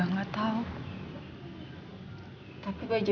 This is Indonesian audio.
pernah buka nakal aja